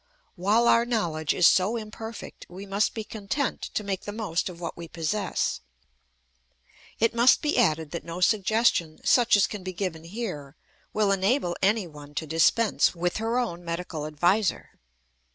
While our knowledge is so imperfect we must be content to make the most of what we possess. It must be added that no suggestion such as can be given here will enable anyone to dispense with her own medical adviser.